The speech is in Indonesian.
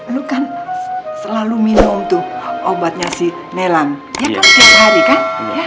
lo kan selalu minum tuh obatnya si nelan ya kan tiap hari kan